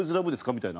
みたいな。